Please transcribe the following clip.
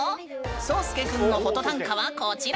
聡介くんのフォト短歌はこちら！